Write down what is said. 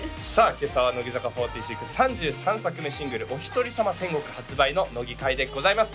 今朝は乃木坂４６３３作目シングル「おひとりさま天国」発売の乃木回でございます